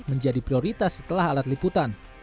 menjadi prioritas setelah alat liputan